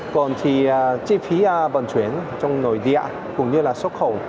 còn thì chi phí vận chuyển trong nội địa cũng như là xuất khẩu